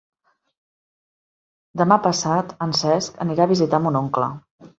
Demà passat en Cesc anirà a visitar mon oncle.